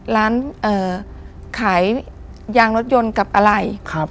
ร้านขายยางรถยนต์กับอะไร